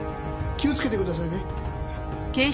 気をつけてくださいね。